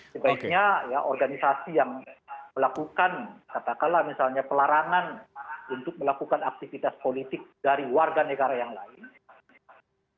sebaiknya ya organisasi yang melakukan katakanlah misalnya pelarangan untuk melakukan aktivitas politik dari warga negara yang lain